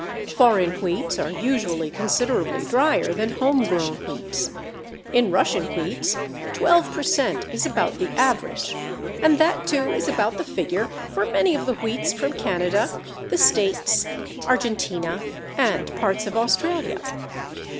Foreign wheats are usually considerably drier than home grown wheats. In Russian wheats 12 per cent. is about the average, and that too is about the figure for many of the wheats from Canada, the States, Argentina, and parts of Australia.